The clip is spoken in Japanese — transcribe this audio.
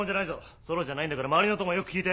ソロじゃないんだから周りの音もよく聴いて。